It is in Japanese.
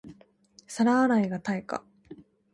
皿洗いが対価